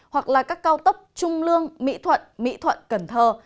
hoặc là các cao tốc trung lương mỹ thuận mỹ thuận cần thơ